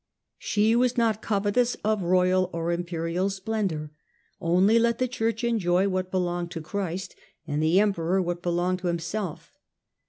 She was not covetous of royal or imperial splendour; only let the Church enjoy what belonged to Christ, and the emperor what belonged to himself.